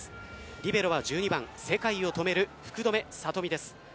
リベロは１２番世界を止める福留慧美です。